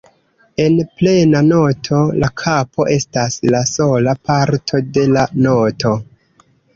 En plena noto, la kapo estas la sola parto de la noto.